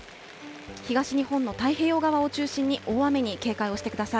東日本の太平洋側を中心に、大雨に警戒をしてください。